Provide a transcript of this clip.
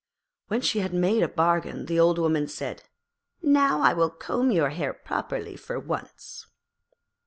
When she had made a bargain the Old Woman said, 'Now I will comb your hair properly for once.'